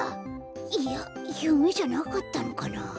いやゆめじゃなかったのかな？